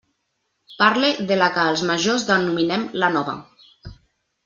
Parle de la que els majors denominem la Nova.